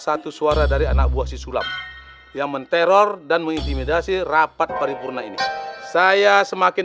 satu suara dari anak buah sisulap yang menteror dan mengintimidasi rapat paripurna ini saya semakin